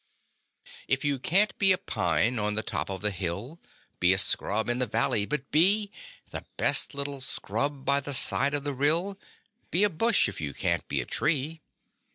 If you can't be a pine on the top of the hill Be a scrub in the valley but be The best little scrub by the side of the rill; Be a bush if you can't be a tree.